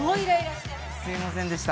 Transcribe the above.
すいませんでした。